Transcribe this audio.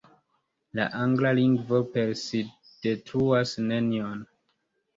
La angla lingvo per si detruas nenion.